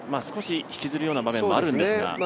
少し引きずるような場面もありましたが。